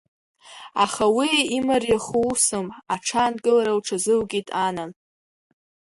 Аха уи имариахо усым, аҽаанкылара лҽазылкит Анан.